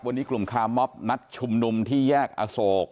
วันนี้กลุ่มคาร์มอบนัดชุมนุมที่แยกอโศก